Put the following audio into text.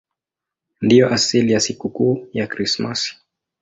Ndiyo asili ya sikukuu ya Krismasi.